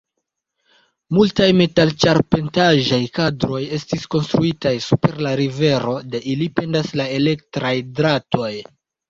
Multaj metal-ĉarpentaĵaj kadroj estis konstruitaj super la rivero; de ili pendas la elektraj dratoj.